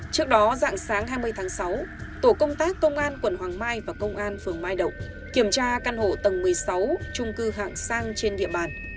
trước đó dạng sáng hai mươi tháng sáu tổ công tác công an quận hoàng mai và công an phường mai động kiểm tra căn hộ tầng một mươi sáu trung cư hạng sang trên địa bàn